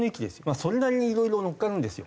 それなりにいろいろ載っかるんですよ。